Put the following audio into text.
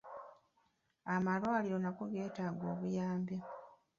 Amalwaliro nago geetaaga obuyambi.